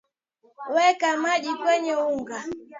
weka maji kwenye unga